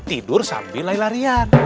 tidur sambil lari larian